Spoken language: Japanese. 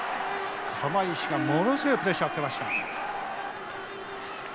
釜石がものすごいプレッシャーをかけました。